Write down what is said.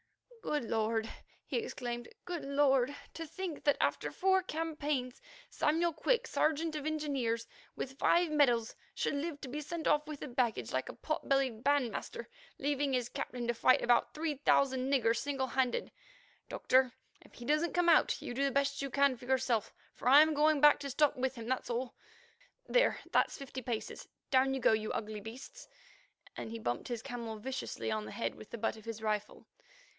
"Good Lord!" he exclaimed, "good Lord! to think that, after four campaigns, Samuel Quick, Sergeant of Engineers, with five medals, should live to be sent off with the baggage like a pot bellied bandmaster, leaving his captain to fight about three thousand niggers single handed. Doctor, if he don't come out, you do the best you can for yourself, for I'm going back to stop with him, that's all. There, that's fifty paces; down you go, you ugly beasts," and he bumped his camel viciously on the head with the butt of his rifle.